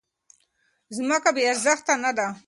ځمکه بې ارزښته نه ده.